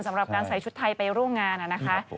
สำหรับการใส่ชุดไทยไปร่วมงานนะคะ